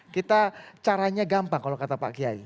kita caranya gampang kalau kata pak kiai